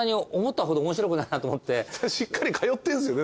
しっかり通ってんすよね？